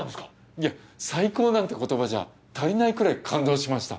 いや「最高」なんて言葉じゃ足りないくらい感動しました。